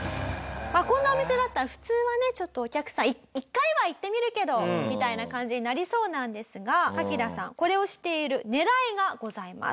こんなお店だったら普通はねちょっとお客さん１回は行ってみるけどみたいな感じになりそうなんですがカキダさんこれをしている狙いがございます。